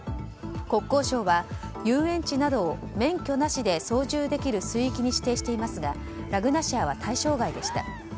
国交省は遊園地などを免許なしで操縦できる水域に指定していますがラグナシアは対象外でした。